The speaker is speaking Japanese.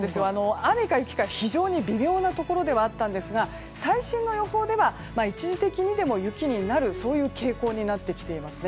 雨か雪か非常に微妙なところではあったんですが最新の予報では一時的にでも雪になるそういう傾向になってきています。